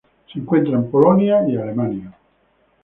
Se encuentra en Polonia y Alemania.